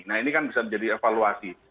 nah ini kan bisa menjadi evaluasi